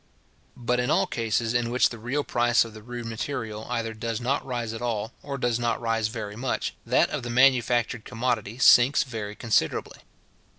But in all cases in which the real price of the rude material either does not rise at all, or does not rise very much, that of the manufactured commodity sinks very considerably.